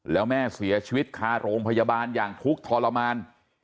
แล้วแม่เสียชีวิตคาโรงพยาบาลอย่างทุกข์ทรมาน